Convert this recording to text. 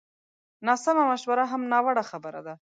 ناسمه مشوره هم ناوړه خبره ده